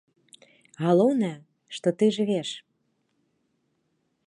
Галоўнае, што ты жывеш.